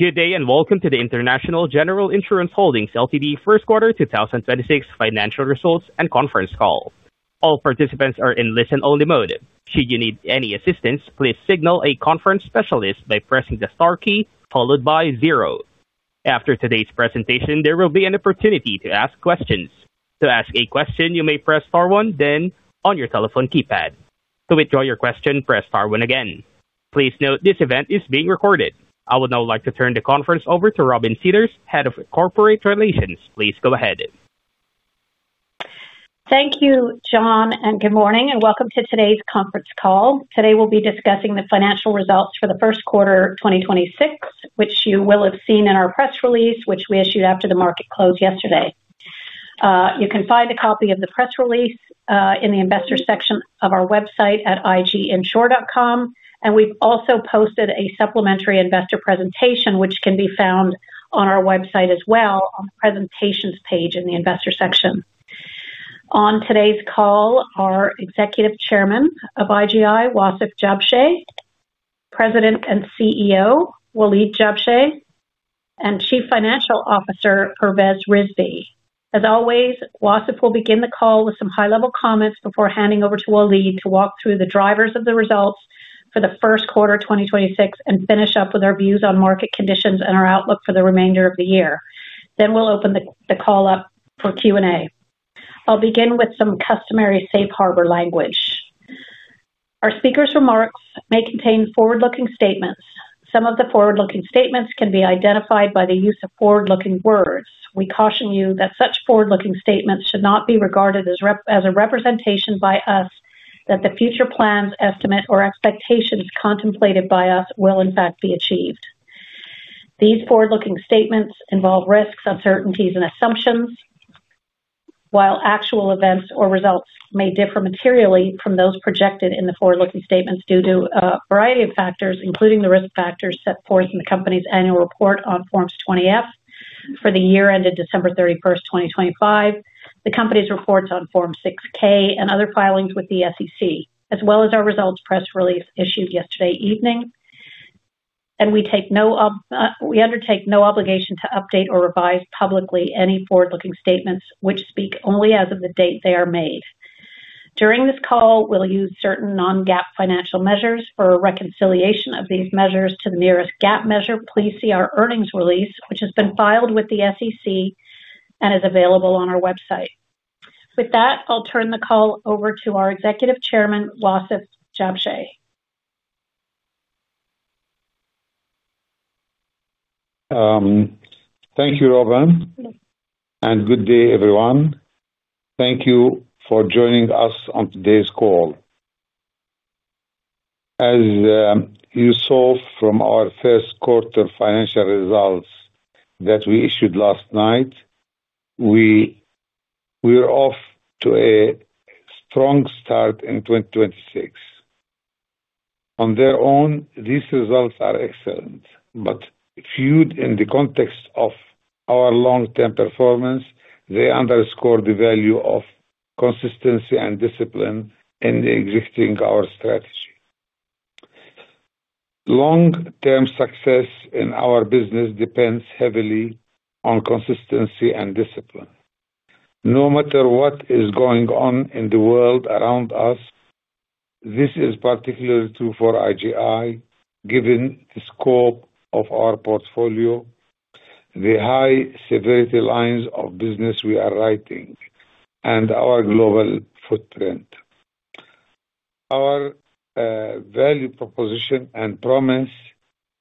Good day, welcome to the International General Insurance Holdings Ltd Q1 2026 Financial Results and Conference Call. All participants are in listen-only mode. Should you need any assistance, please signal a conference specialist by pressing the star key followed by zero. After today's presentation, there will be an opportunity to ask questions. To ask a question, you may press star one then on your telephone keypad. To withdraw your question, press star one again. Please note this event is being recorded. I would now like to turn the conference over to Robin Sidders, Head of Investor Relations. Please go ahead. Thank you, John. Good morning and welcome to today's conference call. Today we'll be discussing the financial results for the Q1 2026, which you will have seen in our press release, which we issued after the market closed yesterday. You can find a copy of the press release in the investor section of our website at iginsure.com. We've also posted a supplementary investor presentation which can be found on our website as well on the presentations page in the investor section. On today's call, our Executive Chairman of IGI, Wasef Jabsheh, President and CEO, Waleed Jabsheh, and Chief Financial Officer, Pervez Rizvi. As always, Wasef will begin the call with some high-level comments before handing over to Waleed to walk through the drivers of the results for the Q1 2026 and finish up with our views on market conditions and our outlook for the remainder of the year. We'll open the call up for Q&A. I'll begin with some customary safe harbor language. Our speakers remarks may contain forward-looking statements. Some of the forward-looking statements can be identified by the use of forward-looking words. We caution you that such forward-looking statements should not be regarded as a representation by us that the future plans, estimate, or expectations contemplated by us will in fact be achieved. These forward-looking statements involve risks, uncertainties, and assumptions, while actual events or results may differ materially from those projected in the forward-looking statements due to a variety of factors, including the risk factors set forth in the company's annual report on Form 20-F for the year ended December 31st, 2025. The company's reports on Form 6-K and other filings with the SEC, as well as our results press release issued yesterday evening. We undertake no obligation to update or revise publicly any forward-looking statements which speak only as of the date they are made. During this call, we'll use certain non-GAAP financial measures. For a reconciliation of these measures to the nearest GAAP measure, please see our earnings release, which has been filed with the SEC and is available on our website. With that, I'll turn the call over to our Executive Chairman, Wasef Jabsheh. Thank you, Robin, good day, everyone. Thank you for joining us on today's call. As you saw from our Q1 financial results that we issued last night, we are off to a strong start in 2026. On their own, these results are excellent, viewed in the context of our long-term performance, they underscore the value of consistency and discipline in executing our strategy. Long-term success in our business depends heavily on consistency and discipline. No matter what is going on in the world around us, this is particularly true for IGI, given the scope of our portfolio, the high severity lines of business we are writing, and our global footprint. Our value proposition and promise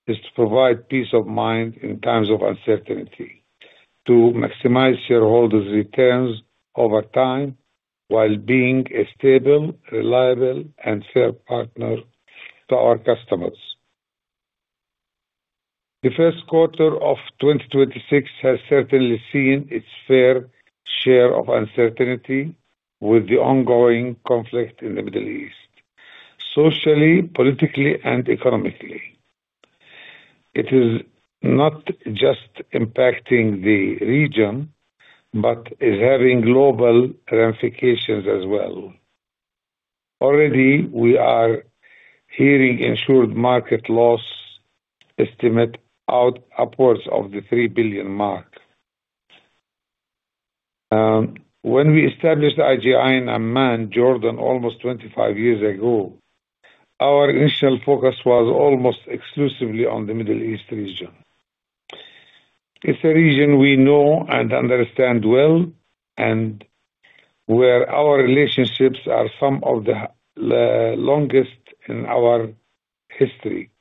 is to provide peace of mind in times of uncertainty, to maximize shareholders' returns over time, while being a stable, reliable, and fair partner to our customers. The Q1 of 2026 has certainly seen its fair share of uncertainty with the ongoing conflict in the Middle East, socially, politically, and economically. It is not just impacting the region, but is having global ramifications as well. Already, we are hearing insured market loss estimate out upwards of the $3 billion mark. When we established IGI in Amman, Jordan, almost 25 years ago, our initial focus was almost exclusively on the Middle East region. It's a region we know and understand well and where our relationships are some of the longest in our history.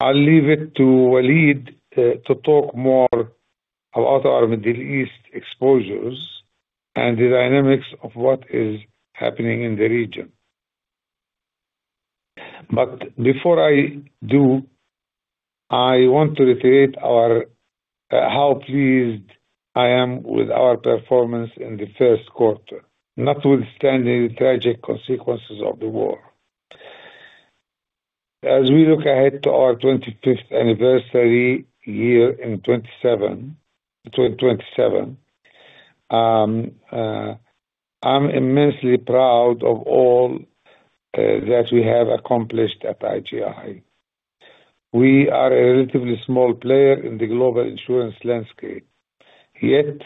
I'll leave it to Waleed to talk more about our Middle East exposures and the dynamics of what is happening in the region. Before I do, I want to reiterate how pleased I am with our performance in the Q1, notwithstanding the tragic consequences of the war. As we look ahead to our 25th anniversary year in 2027, I'm immensely proud of all that we have accomplished at IGI. We are a relatively small player in the global insurance landscape. Yet,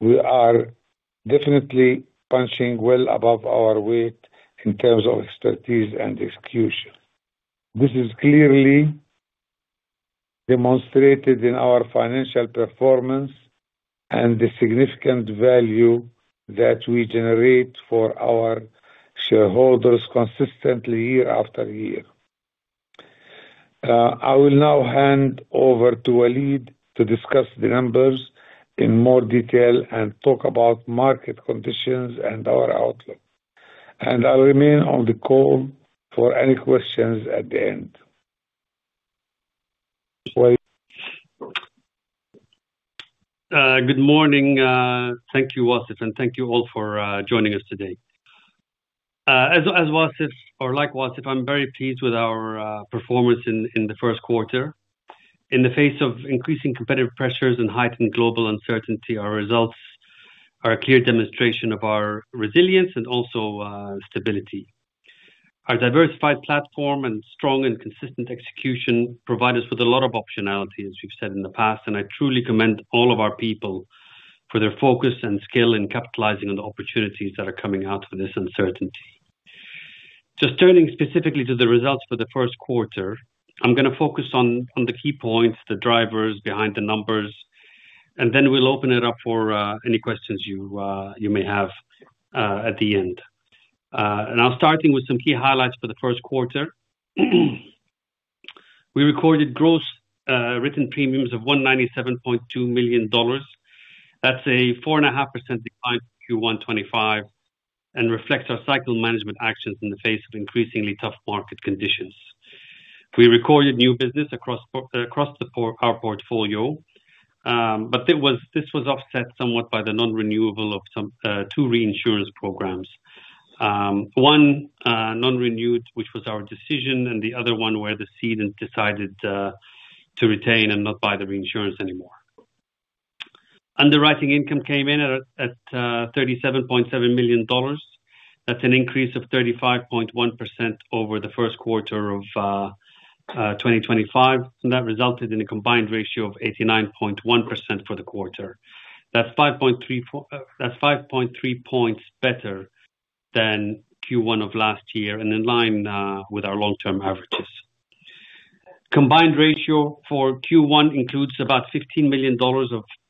we are definitely punching well above our weight in terms of expertise and execution. This is clearly demonstrated in our financial performance and the significant value that we generate for our shareholders consistently year after year. I will now hand over to Waleed to discuss the numbers in more detail and talk about market conditions and our outlook. I'll remain on the call for any questions at the end. Waleed. Good morning. Thank you, Wasef, and thank you all for joining us today. As Wasef or like Wasef, I'm very pleased with our performance in the Q1. In the face of increasing competitive pressures and heightened global uncertainty, our results are a clear demonstration of our resilience and also stability. Our diversified platform and strong and consistent execution provide us with a lot of optionality, as we've said in the past, and I truly commend all of our people for their focus and skill in capitalizing on the opportunities that are coming out of this uncertainty. Just turning specifically to the results for the Q1, I'm gonna focus on the key points, the drivers behind the numbers, and then we'll open it up for any questions you may have at the end. I'll starting with some key highlights for the Q1. We recorded gross written premiums of $197.2 million. That's a 4.5% decline from Q1 2025 and reflects our cycle management actions in the face of increasingly tough market conditions. We recorded new business across our portfolio, this was offset somewhat by the non-renewable of some two reinsurance programs. One non-renewed, which was our decision, and the other one where the cedent decided to retain and not buy the reinsurance anymore. Underwriting income came in at $37.7 million. That's an increase of 35.1% over the Q1 of 2025, and that resulted in a combined ratio of 89.1% for the quarter. That's 5.3 points better than Q1 of last year and in line with our long-term averages. Combined ratio for Q1 includes about $15 million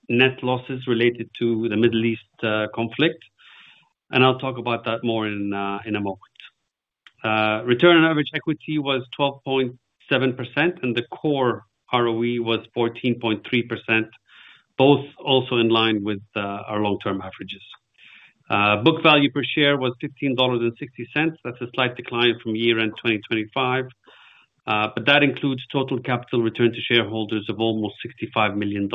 of net losses related to the Middle East conflict, and I'll talk about that more in a moment. Return on average equity was 12.7%, and the core ROE was 14.3%, both also in line with our long-term averages. Book value per share was $16.60. That's a slight decline from year-end 2025, but that includes total capital return to shareholders of almost $65 million.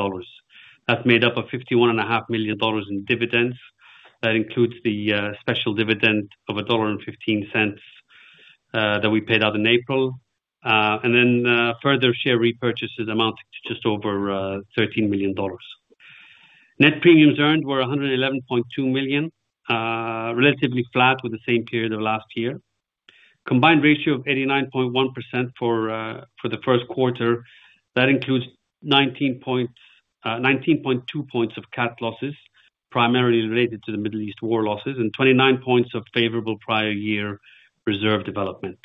That's made up of $51.5 million in dividends. That includes the special dividend of $1.15 that we paid out in April. Further share repurchases amounting to just over $13 million. Net premiums earned were $111.2 million, relatively flat with the same period of last year. Combined ratio of 89.1% for the Q1. That includes 19 points, 19.2 points of CAT losses, primarily related to the Middle East war losses, and 29 points of favorable prior year reserve development.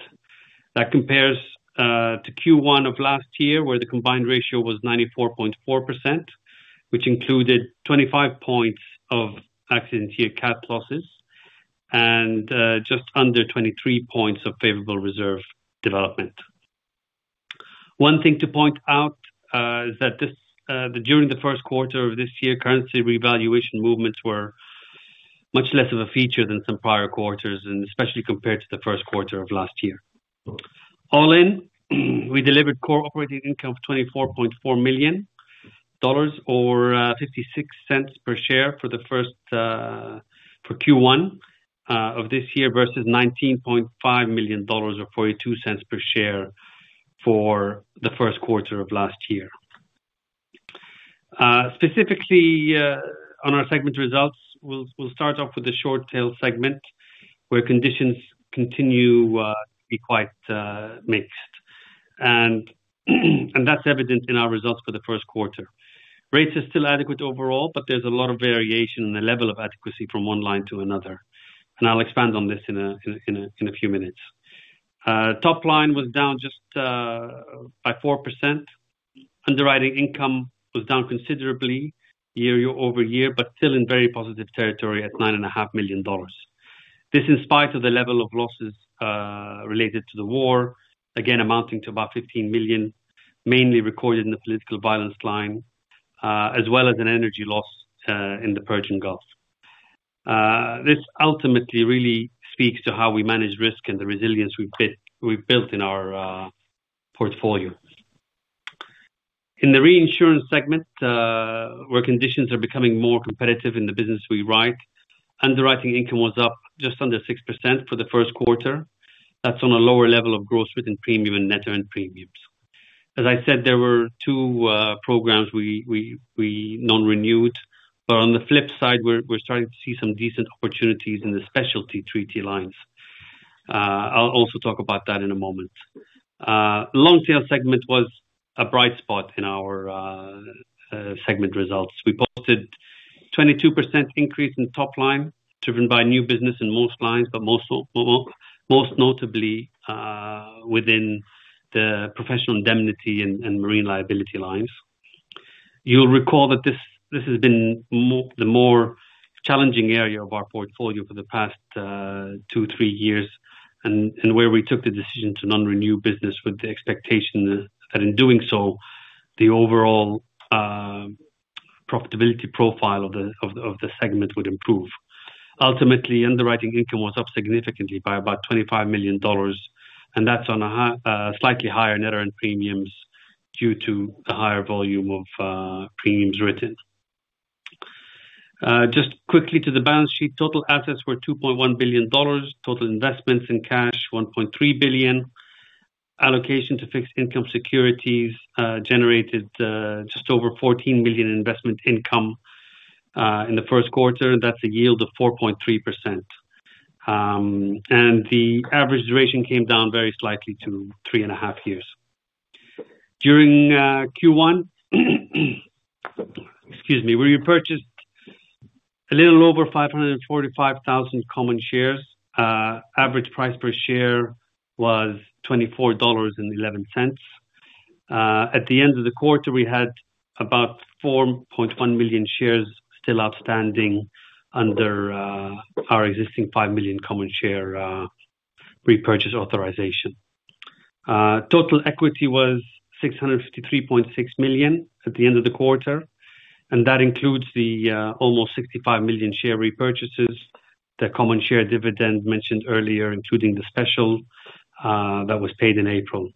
That compares to Q1 of last year, where the combined ratio was 94.4%, which included 25 points of accident year CAT losses and just under 23 points of favorable reserve development. One thing to point out is that this during the Q1 of this year, currency revaluation movements were much less of a feature than some prior quarters and especially compared to the Q1 of last year. All in, we delivered core operating income of $24.4 million or $0.56 per share for the first for Q1 of this year versus $19.5 million or $0.42 per share for the Q1 of last year. Specifically, on our segment results, we'll start off with the Short-tail segment, where conditions continue to be quite mixed. That's evident in our results for the Q1. Rates are still adequate overall, but there's a lot of variation in the level of adequacy from one line to another, and I'll expand on this in a few minutes. Top line was down just by 4%. Underwriting income was down considerably year-over-year, but still in very positive territory at $9.5 million. This in spite of the level of losses related to the war, again amounting to about $15 million, mainly recorded in the political violence line, as well as an energy loss in the Persian Gulf. This ultimately really speaks to how we manage risk and the resilience we've built in our portfolio. In the Reinsurance segment, where conditions are becoming more competitive in the business we write, underwriting income was up just under 6% for the Q1. That's on a lower level of gross written premium and net earned premiums. As I said, there were two programs we non-renewed. On the flip side, we're starting to see some decent opportunities in the specialty treaty lines. I'll also talk about that in a moment. Long-tail segment was a bright spot in our segment results. We posted 22% increase in top line driven by new business in most lines, but most notably within the professional indemnity and marine liability lines. You'll recall that this has been the more challenging area of our portfolio for the past two, three years, and where we took the decision to non-renew business with the expectation that in doing so, the overall profitability profile of the segment would improve. Ultimately, underwriting income was up significantly by about $25 million, and that's on a slightly higher net earned premiums due to the higher volume of premiums written. Just quickly to the balance sheet. Total assets were $2.1 billion. Total investments in cash were $1.3 billion. Allocation to fixed income securities generated just over $14 million investment income in the Q1. That's a yield of 4.3%. The average duration came down very slightly to 3.5 years. During Q1, we repurchased a little over 545,000 common shares. Average price per share was $24.11. At the end of the quarter, we had about 4.1 million shares still outstanding under our existing 5 million common share repurchase authorization. Total equity was $653.6 million at the end of the quarter, and that includes the almost $65 million share repurchases, the common share dividend mentioned earlier, including the special that was paid in April.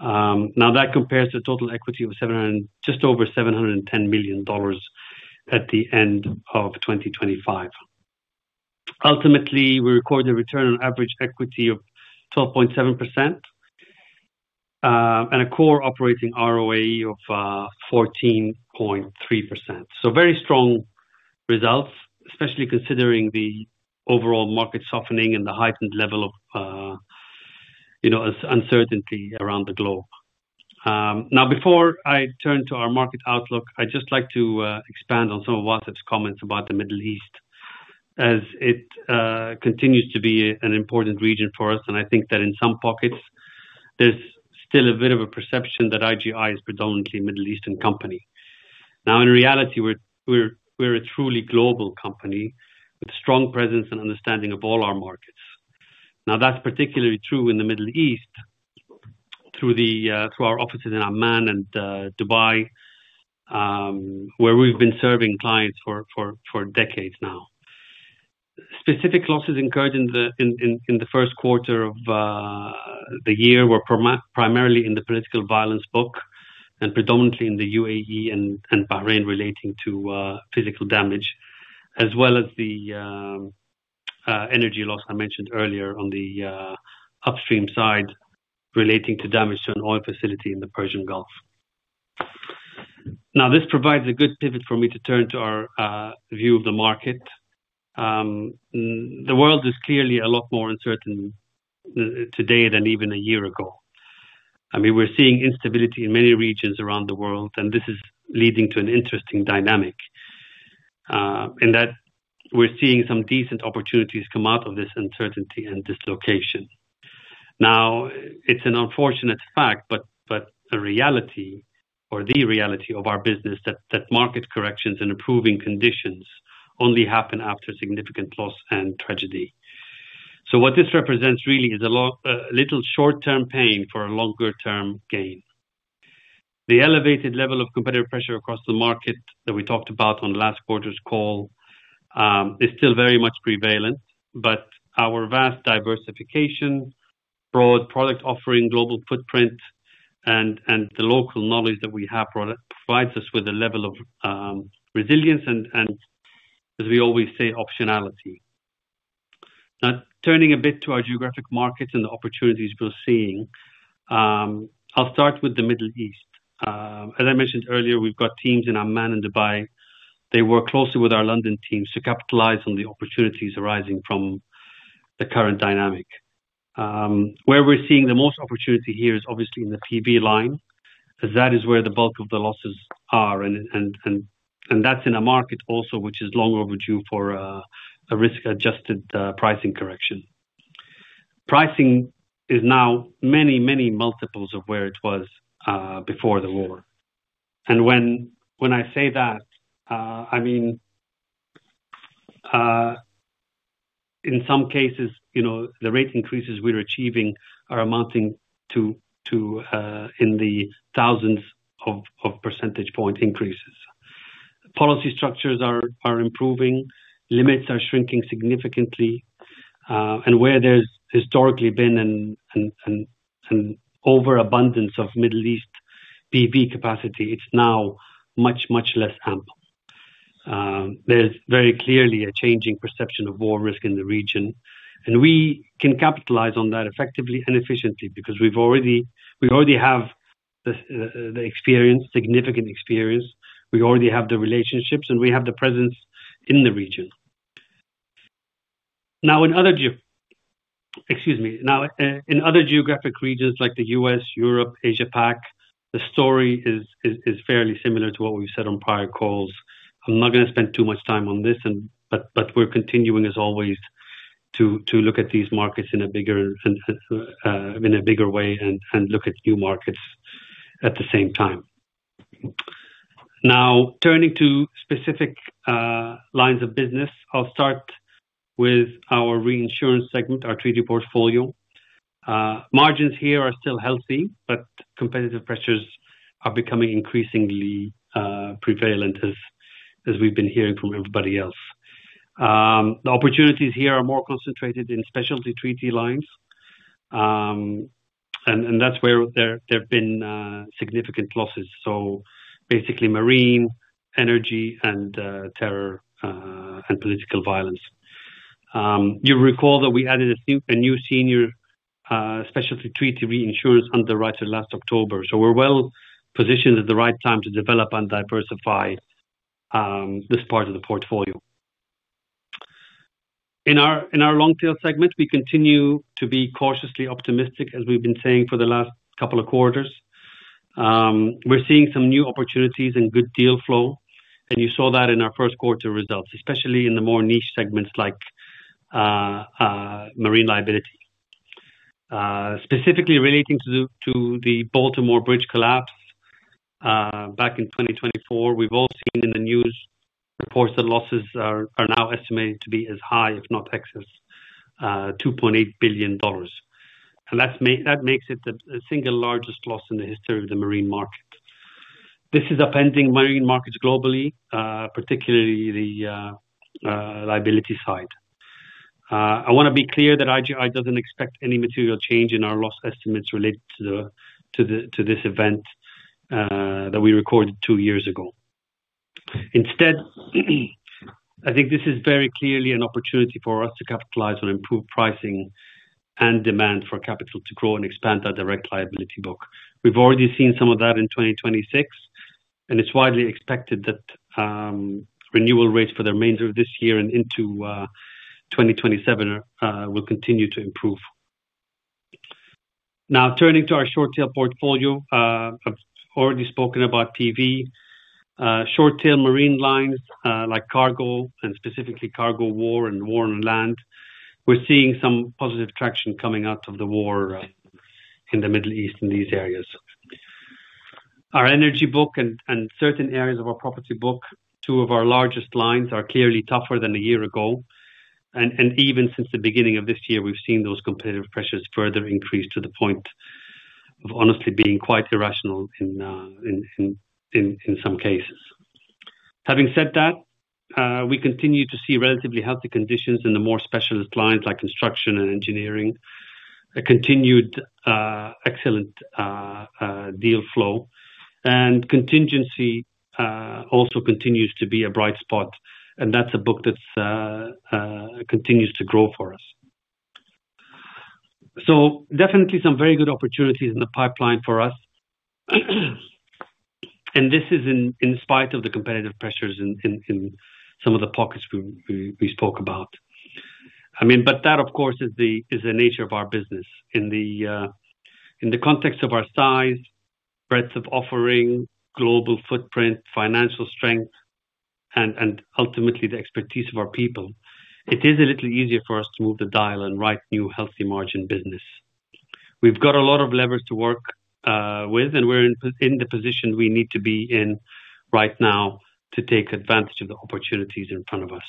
Now that compares to total equity of just over $710 million at the end of 2025. Ultimately, we recorded a return on average equity of 12.7%, and a core operating ROE of 14.3%. Very strong results, especially considering the overall market softening and the heightened level of, you know, uncertainty around the globe. Now before I turn to our market outlook, I'd just like to expand on some of Wasef's comments about the Middle East as it continues to be an important region for us. I think that in some pockets, there's still a bit of a perception that IGI is predominantly a Middle Eastern company. In reality, we're a truly global company with strong presence and understanding of all our markets. That's particularly true in the Middle East through the through our offices in Amman and Dubai, where we've been serving clients for decades now. Specific losses incurred in the Q1 of the year were primarily in the political violence book and predominantly in the UAE and Bahrain relating to physical damage, as well as the energy loss I mentioned earlier on the upstream side relating to damage to an oil facility in the Persian Gulf. This provides a good pivot for me to turn to our view of the market. The world is clearly a lot more uncertain today than even a year ago. I mean, we're seeing instability in many regions around the world, and this is leading to an interesting dynamic in that we're seeing some decent opportunities come out of this uncertainty and dislocation. It's an unfortunate fact, but a reality or the reality of our business that market corrections and improving conditions only happen after significant loss and tragedy. What this represents really is a little short-term pain for a longer-term gain. The elevated level of competitive pressure across the market that we talked about on last quarter's call is still very much prevalent. Our vast diversification, broad product offering, global footprint and the local knowledge that we have provides us with a level of resilience and as we always say, optionality. Turning a bit to our geographic markets and the opportunities we're seeing, I'll start with the Middle East. As I mentioned earlier, we've got teams in Amman and Dubai. They work closely with our London teams to capitalize on the opportunities arising from the current dynamic. Where we're seeing the most opportunity here is obviously in the PV line, as that is where the bulk of the losses are and that's in a market also which is long overdue for a risk-adjusted pricing correction. Pricing is now many, many multiples of where it was before the war. When I say that, I mean, in some cases, you know, the rate increases we're achieving are amounting to in the thousands of percentage point increases. Policy structures are improving. Limits are shrinking significantly. Where there's historically been an overabundance of Middle East PV capacity, it's now much less ample. There's very clearly a changing perception of war risk in the region, and we can capitalize on that effectively and efficiently because we already have the experience, significant experience. We already have the relationships, and we have the presence in the region. Now, in other geographic regions like the U.S., Europe, Asia Pac, the story is fairly similar to what we've said on prior calls. I'm not gonna spend too much time on this but we're continuing as always to look at these markets in a bigger and in a bigger way and look at new markets at the same time. Turning to specific lines of business. I'll start with our Reinsurance segment, our treaty portfolio. Margins here are still healthy, competitive pressures are becoming increasingly prevalent as we've been hearing from everybody else. The opportunities here are more concentrated in specialty treaty lines. That's where there have been significant losses. Basically marine, energy and terror and political violence. You recall that we added a new senior specialty treaty reinsurer underwriter last October. We're well-positioned at the right time to develop and diversify this part of the portfolio. In our Long-tail segment, we continue to be cautiously optimistic, as we've been saying for the last couple of quarters. We're seeing some new opportunities and good deal flow, and you saw that in our Q1 results, especially in the more niche segments like marine liability. Specifically relating to the Baltimore bridge collapse, back in 2024. We've all seen in the news reports that losses are now estimated to be as high, if not excess, $2.8 billion. That makes it the single largest loss in the history of the marine market. This is upending marine markets globally, particularly the liability side. I wanna be clear that IGI doesn't expect any material change in our loss estimates related to this event that we recorded two years ago. Instead, I think this is very clearly an opportunity for us to capitalize on improved pricing and demand for capital to grow and expand our direct liability book. We've already seen some of that in 2026, and it's widely expected that renewal rates for the remainder of this year and into 2027 will continue to improve. Turning to our Short-tail portfolio, I've already spoken about PV. Short-tail marine lines, like cargo and specifically cargo war and war on land. We're seeing some positive traction coming out of the war in the Middle East in these areas. Our energy book and certain areas of our property book, two of our largest lines, are clearly tougher than a year ago. Even since the beginning of this year, we've seen those competitive pressures further increase to the point of honestly being quite irrational in some cases. Having said that, we continue to see relatively healthy conditions in the more specialist lines like Construction & Engineering. A continued excellent deal flow. Contingency also continues to be a bright spot, and that's a book that continues to grow for us. Definitely some very good opportunities in the pipeline for us. This is in spite of the competitive pressures in some of the pockets we spoke about. I mean, that of course is the nature of our business. In the context of our size, breadth of offering, global footprint, financial strength, and ultimately the expertise of our people, it is a little easier for us to move the dial and write new healthy margin business. We've got a lot of levers to work with, and we're in the position we need to be in right now to take advantage of the opportunities in front of us.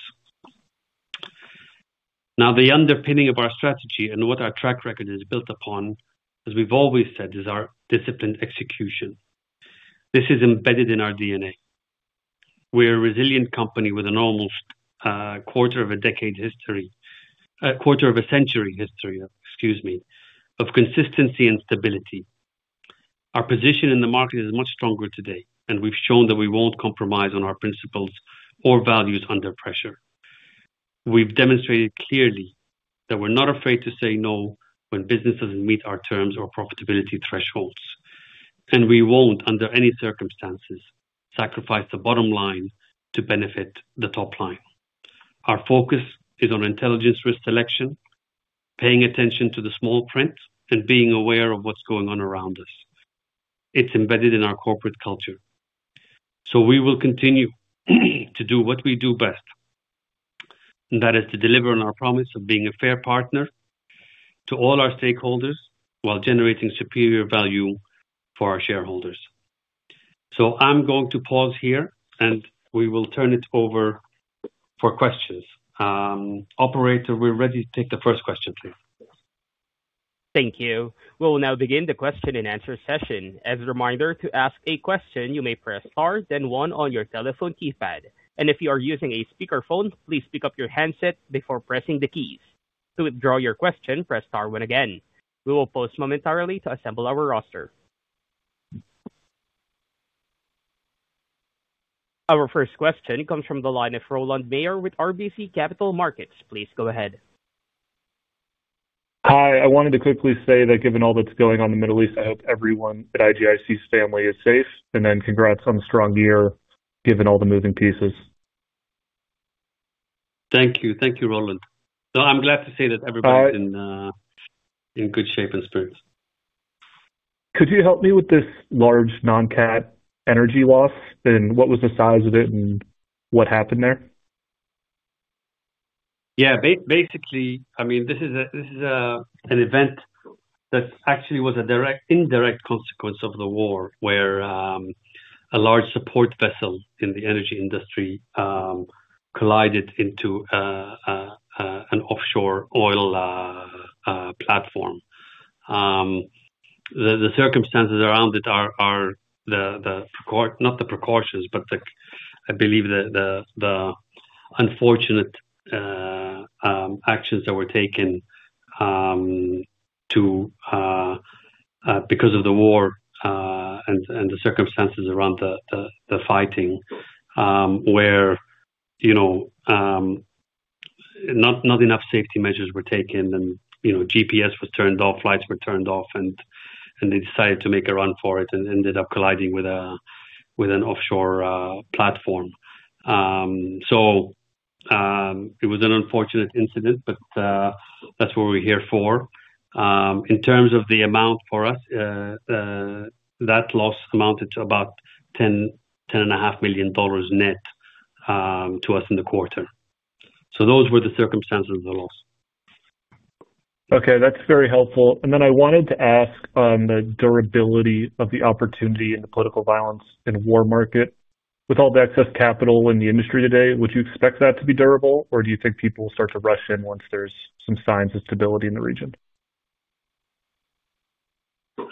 The underpinning of our strategy and what our track record is built upon, as we've always said, is our disciplined execution. This is embedded in our DNA. We're a resilient company with an almost quarter of a decade history. Quarter of a century history, excuse me, of consistency and stability. Our position in the market is much stronger today, we've shown that we won't compromise on our principles or values under pressure. We've demonstrated clearly that we're not afraid to say no when business doesn't meet our terms or profitability thresholds. We won't, under any circumstances, sacrifice the bottom line to benefit the top line. Our focus is on intelligent risk selection, paying attention to the small print, and being aware of what's going on around us. It's embedded in our corporate culture. We will continue to do what we do best, and that is to deliver on our promise of being a fair partner to all our stakeholders while generating superior value for our shareholders. I'm going to pause here, and we will turn it over for questions. Operator, we're ready to take the first question, please. Thank you. We'll now begin the question and answer session. As a reminder, to ask a question, you may press star then one on your telephone keypad. If you are using a speakerphone, please pick up your handset before pressing the keys. To withdraw your question, press star one again. We will pause momentarily to assemble our roster. Our first question comes from the line of Rowland Mayor with RBC Capital Markets. Please go ahead. Hi. I wanted to quickly say that given all that's going on in the Middle East, I hope everyone at IGI's family is safe. Congrats on the strong year, given all the moving pieces. Thank you. Thank you, Rowland. I'm glad to say that everybody's been in good shape and spirits. Could you help me with this large non-CAT energy loss? What was the size of it, and what happened there? Yeah. Basically, I mean, this is an event that actually was an indirect consequence of the war, where a large support vessel in the energy industry collided into an offshore oil platform. The circumstances around it are the not the precautions, but I believe the unfortunate actions that were taken to because of the war and the circumstances around the fighting, where, you know, not enough safety measures were taken and, you know, GPS was turned off, lights were turned off, and they decided to make a run for it and ended up colliding with an offshore platform. It was an unfortunate incident, but that's what we're here for. In terms of the amount for us, that loss amounted to about $10.5 million dollars net to us in the quarter. Those were the circumstances of the loss. Okay, that's very helpful. I wanted to ask on the durability of the opportunity in the political violence in war market. With all the excess capital in the industry today, would you expect that to be durable, or do you think people will start to rush in once there's some signs of stability in the region?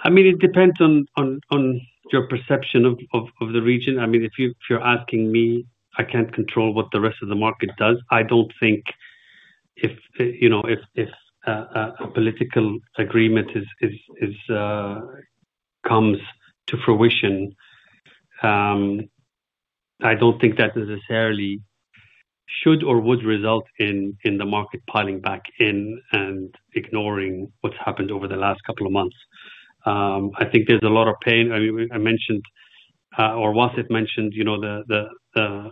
It depends on your perception of the region. If you're asking me, I can't control what the rest of the market does. I don't think if a political agreement comes to fruition, I don't think that necessarily should or would result in the market piling back in and ignoring what's happened over the last couple of months. I think there's a lot of pain. I mentioned, or Wasef mentioned, the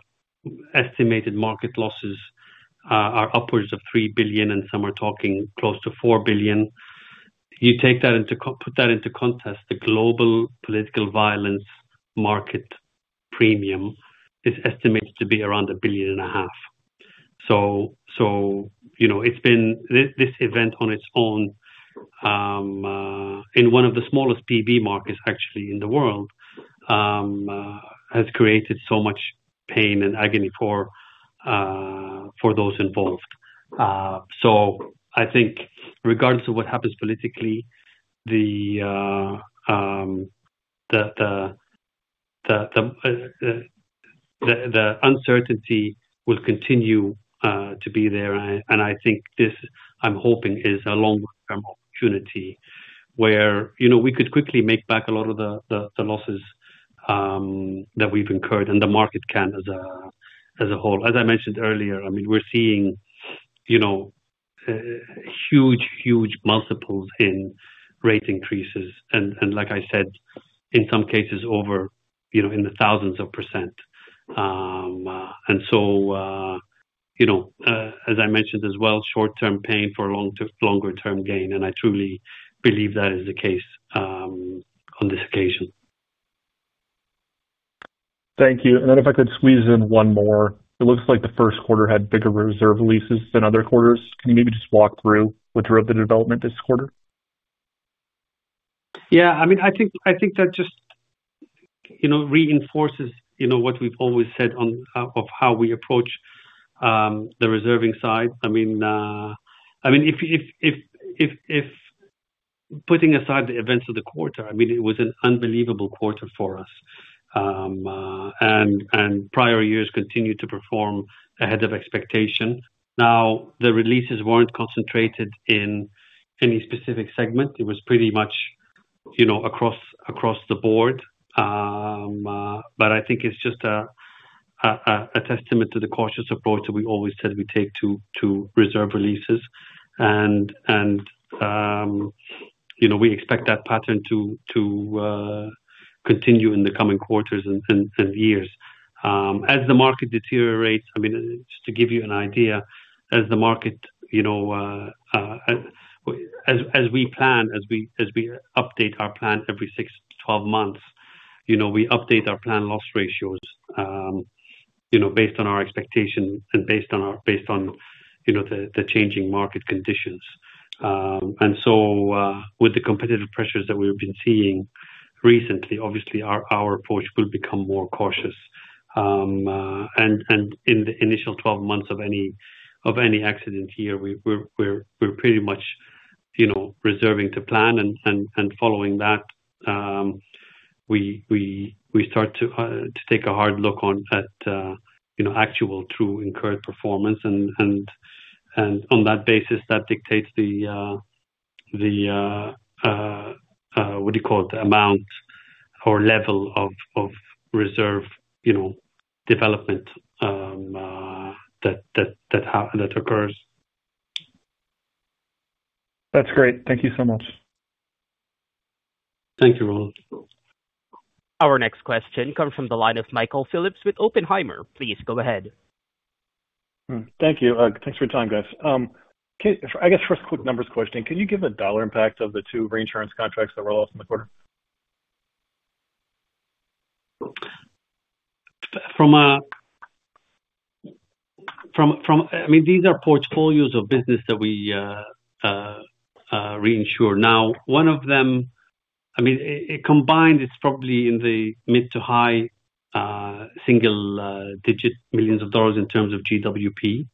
estimated market losses are upwards of $3 billion, and some are talking close to $4 billion. You take that into context, the global political violence market premium is estimated to be around $1.5 billion. You know, it's been this event on its own, in one of the smallest PV markets actually in the world, has created so much pain and agony for those involved. I think regardless of what happens politically, the uncertainty will continue to be there. I think this, I'm hoping, is a long-term opportunity where, you know, we could quickly make back a lot of the losses that we've incurred, and the market can as a whole. As I mentioned earlier, I mean, we're seeing, you know, huge, huge multiples in rate increases and like I said, in some cases over, you know, in the thousands of percent. You know, as I mentioned as well, short-term pain for a longer term gain, and I truly believe that is the case on this occasion. Thank you. If I could squeeze in one more. It looks like the Q1 had bigger reserve releases than other quarters. Can you maybe just walk through what drove the development this quarter? Yeah. I mean, I think that just, you know, reinforces, you know, what we've always said on of how we approach the reserving side. I mean, I mean, putting aside the events of the quarter, I mean, it was an unbelievable quarter for us. Prior years continued to perform ahead of expectation. The releases weren't concentrated in any specific segment. It was pretty much, you know, across the board. I think it's just a testament to the cautious approach that we always said we take to reserve releases. You know, we expect that pattern to continue in the coming quarters and years. As the market deteriorates, I mean, just to give you an idea, as the market, you know, as we plan, as we update our plan every six to 12 months, you know, we update our plan loss ratios, you know, based on our expectations and based on, you know, the changing market conditions. With the competitive pressures that we've been seeing recently, obviously our approach will become more cautious. In the initial 12 months of any accident year, we're pretty much, you know, reserving to plan. Following that, we start to take a hard look at, you know, actual true incurred performance and on that basis, that dictates the, what do you call it, the amount or level of reserve, you know, development that occurs. That's great. Thank you so much. Thank you, Rowland. Our next question comes from the line of Michael Phillips with Oppenheimer. Please go ahead. Thank you. Thanks for your time, guys. I guess first quick numbers question, can you give a dollar impact of the two reinsurance contracts that were lost in the quarter? From I mean, these are portfolios of business that we reinsure. One of them I mean, it combined, it's probably in the mid to high single digit millions of dollars in terms of GWP.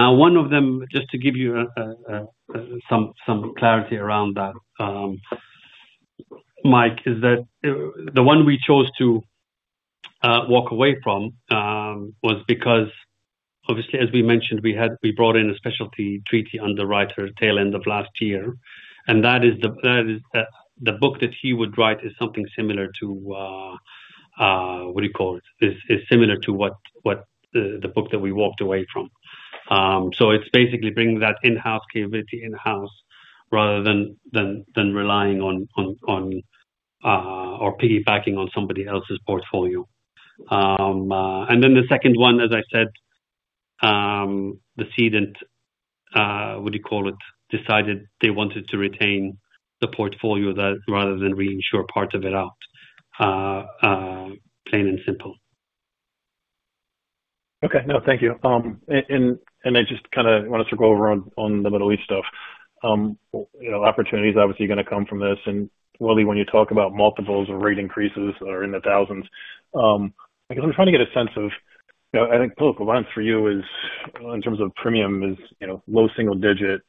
One of them, just to give you some clarity around that, Mike, is that the one we chose to walk away from was because, obviously, as we mentioned, we brought in a specialty treaty underwriter tail end of last year, and that is the book that he would write is something similar to what do you call it? Is similar to what the book that we walked away from. It's basically bringing that in-house capability in-house rather than relying on or piggybacking on somebody else's portfolio. The second one, as I said, the cedant, what do you call it, decided they wanted to retain the portfolio that rather than reinsure parts of it out, plain and simple. Okay. No, thank you. I just kind of wanted to go over on the Middle East stuff. You know, opportunity is obviously going to come from this. Waleed, when you talk about multiples or rate increases are in the thousands, I guess I'm trying to get a sense of, you know, I think Political Violence for you is in terms of premium is, you know, low single-digit,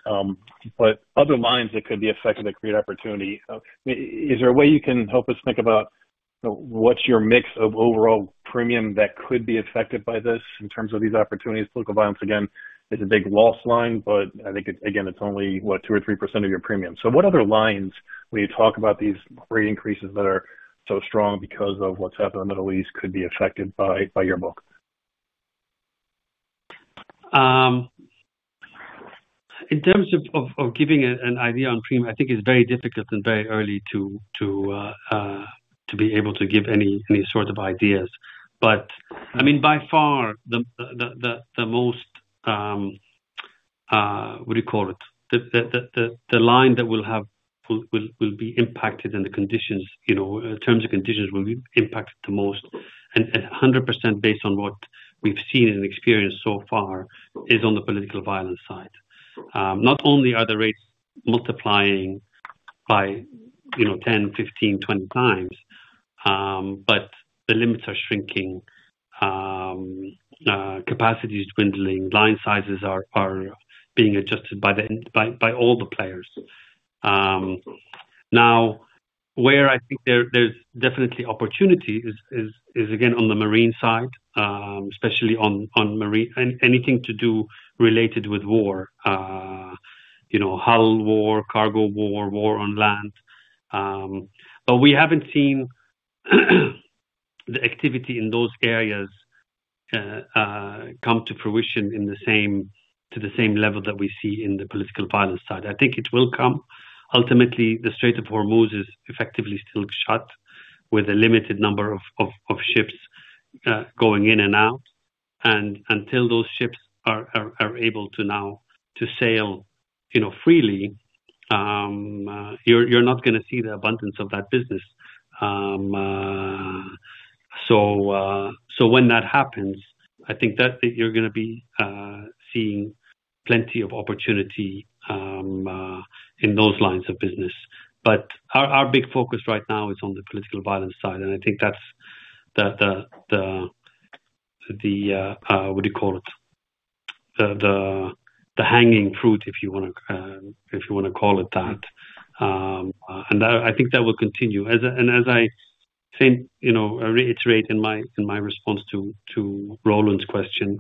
but other lines that could be affected that create opportunity. Is there a way you can help us think about, you know, what's your mix of overall premium that could be affected by this in terms of these opportunities? Political Violence, again, is a big loss line, but I think it, again, it's only what? 2% or 3% of your premium. What other lines, when you talk about these rate increases that are so strong because of what's happened in the Middle East could be affected by your book? In terms of giving an idea on premium, I think it's very difficult and very early to be able to give any sort of ideas. I mean, by far the most, what do you call it? The line that will be impacted and the conditions, you know, in terms of conditions will be impacted the most and 100% based on what we've seen and experienced so far is on the political violence side. Not only are the rates multiplying by, you know, 10x, 15x, 20x, but the limits are shrinking. Capacity is dwindling. Line sizes are being adjusted by all the players. Now where I think there's definitely opportunity is again on the marine side, especially on marine. Anything to do related with war, you know, hull war, cargo war on land. We haven't seen the activity in those areas come to fruition in the same, to the same level that we see in the political violence side. I think it will come. Ultimately, the Strait of Hormuz is effectively still shut with a limited number of ships going in and out. Until those ships are able to now to sail, you know, freely, you're not gonna see the abundance of that business. When that happens, I think that you're gonna be seeing plenty of opportunity in those lines of business. Our big focus right now is on the political violence side. I think that's the, what do you call it? The hanging fruit, if you wanna, if you wanna call it that. That I think that will continue. As I think, you know, I reiterate in my response to Rowland's question,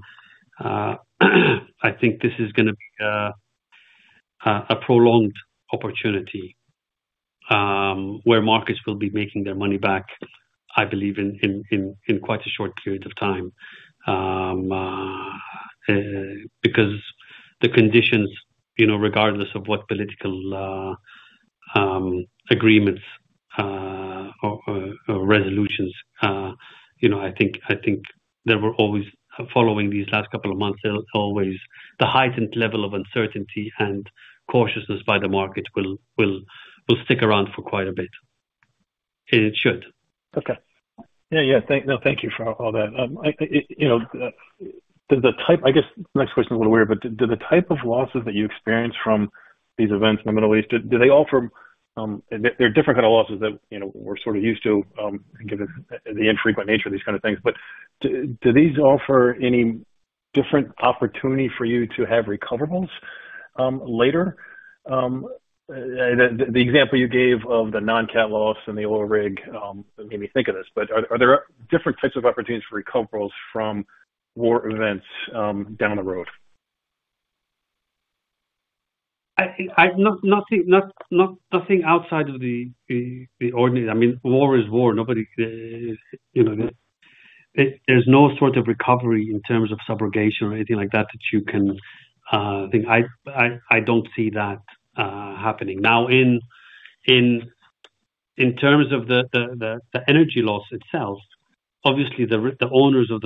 I think this is gonna be a prolonged opportunity, where markets will be making their money back, I believe, in quite a short period of time. Because the conditions, you know, regardless of what political agreements or resolutions, you know, I think there were always following these last couple of months, there was always the heightened level of uncertainty and cautiousness by the market will stick around for quite a bit. It should. Okay. Yeah, yeah. Thank you for all that. I, you know, I guess next question is a little weird. Do the type of losses that you experience from these events in the Middle East, do they offer, there are different kind of losses that, you know, we're sort of used to, given the infrequent nature of these kind of things. Do these offer any different opportunity for you to have recoverables? Later, the example you gave of the non-cat loss and the oil rig made me think of this. Are there different types of opportunities for recoverables from war events down the road? Not nothing outside of the ordinary. I mean, war is war. Nobody, you know, there's no sort of recovery in terms of subrogation or anything like that that you can think. I don't see that happening. In terms of the energy loss itself, obviously, the owners of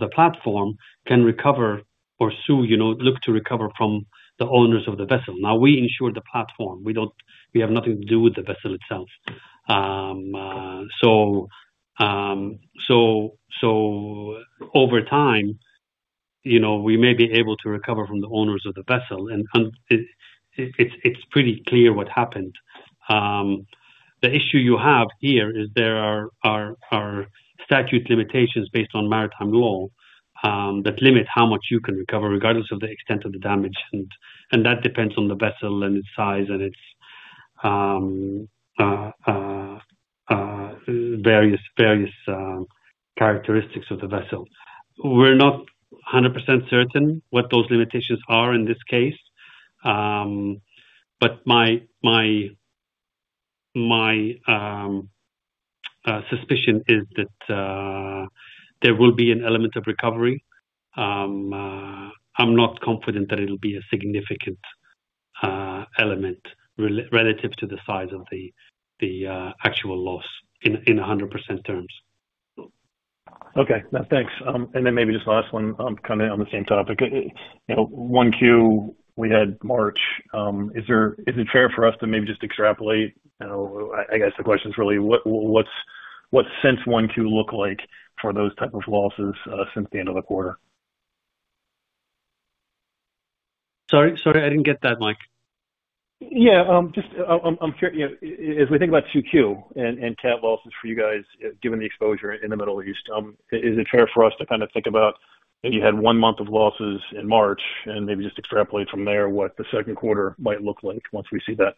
the platform can recover or sue, you know, look to recover from the owners of the vessel. We insure the platform. We have nothing to do with the vessel itself. Over time, you know, we may be able to recover from the owners of the vessel. It's pretty clear what happened. The issue you have here is there are statute limitations based on maritime law that limit how much you can recover regardless of the extent of the damage. That depends on the vessel and its size and its various characteristics of the vessel. We're not 100% certain what those limitations are in this case. My suspicion is that there will be an element of recovery. I'm not confident that it'll be a significant element relative to the size of the actual loss in 100% terms. Okay. No, thanks. Then maybe just last one, kind of on the same topic. You know, 1Q, we had March. Is it fair for us to maybe just extrapolate? You know, I guess the question is really what's since 1Q look like for those type of losses since the end of the quarter? Sorry, sorry, I didn't get that, Mike. You know, if we think about 2Q and cat losses for you guys, given the exposure in the Middle East, is it fair for us to kind of think about that you had one month of losses in March, and maybe just extrapolate from there what the Q2 might look like once we see that?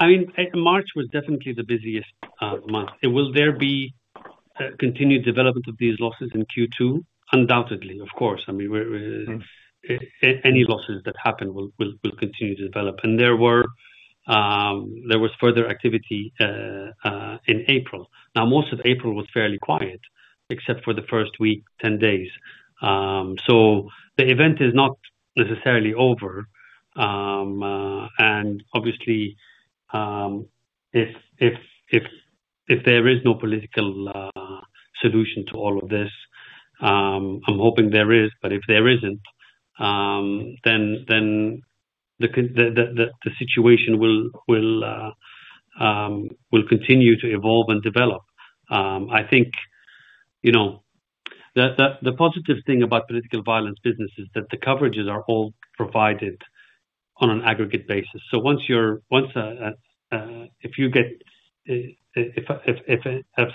I mean, March was definitely the busiest month. Will there be continued development of these losses in Q2? Undoubtedly, of course. Any losses that happen will continue to develop. There was further activity in April. Most of April was fairly quiet, except for the first week, 10 days. The event is not necessarily over. Obviously, if there is no political solution to all of this, I'm hoping there is, but if there isn't, then the situation will continue to evolve and develop. I think, you know, the positive thing about political violence business is that the coverages are all provided on an aggregate basis. Once you're, once, if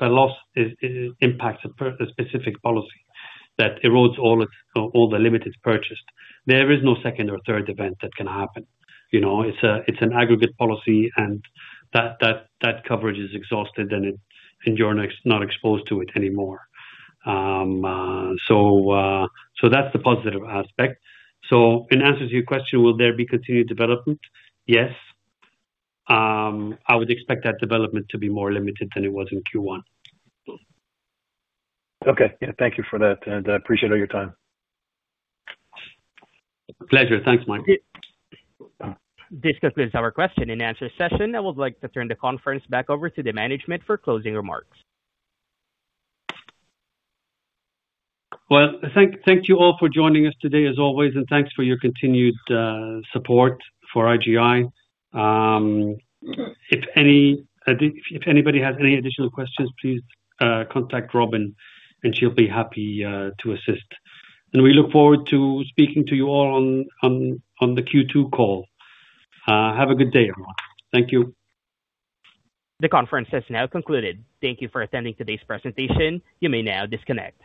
a loss is impacts a specific policy that erodes all the limit is purchased, there is no second or third event that can happen. You know, it's an aggregate policy, and that coverage is exhausted, and you're not exposed to it anymore. That's the positive aspect. In answer to your question, will there be continued development? Yes. I would expect that development to be more limited than it was in Q1. Okay. Yeah. Thank you for that, and I appreciate all your time. Pleasure. Thanks, Mike. This concludes our question and answer session. I would like to turn the conference back over to the management for closing remarks. Well, thank you all for joining us today, as always, and thanks for your continued support for IGI. If any, if anybody has any additional questions, please contact Robin, and she'll be happy to assist. We look forward to speaking to you all on the Q2 call. Have a good day, everyone. Thank you. The conference has now concluded. Thank you for attending today's presentation. You may now disconnect.